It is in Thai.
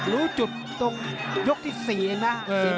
รู้จุดตรงยุคที่๔นะ